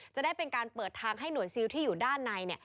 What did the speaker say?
จะได้เป็นการเปิดทางให้หน่วยซิลที่อยู่ด้านใน